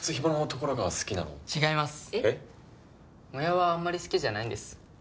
モヤオはあんまり好きじゃないんです。